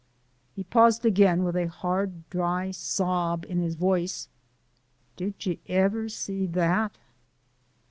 He paused again with a hard, dry sob in his voice. "Did ye ever see that?"